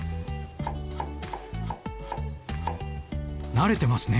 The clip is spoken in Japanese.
慣れてますね。